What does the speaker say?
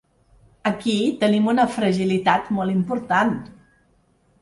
Aquí tenim una fragilitat molt important.